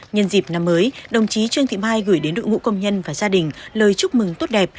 nhân dịp năm mới đồng chí trương thị mai gửi đến đội ngũ công nhân và gia đình lời chúc mừng tốt đẹp